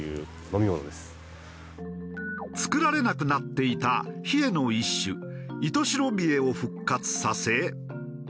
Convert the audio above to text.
作られなくなっていたヒエの一種石徹白ビエを復活させ。